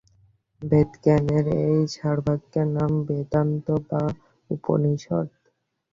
বেদজ্ঞানের এই সারভাগের নাম বেদান্ত বা উপনিষদ্।